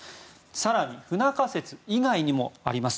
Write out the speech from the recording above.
更に不仲説以外にもあります。